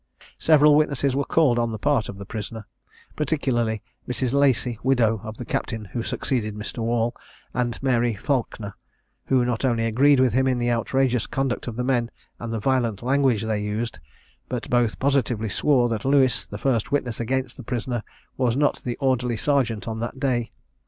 Several witnesses were called on the part of the prisoner, particularly Mrs. Lacy, widow of the captain who succeeded Mr. Wall, and Mary Falkner, who not only agreed with him in the outrageous conduct of the men, and the violent language they used, but both positively swore that Lewis, the first witness against the prisoner, was not the orderly serjeant on that day.